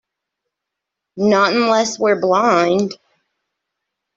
Not unless we're blind.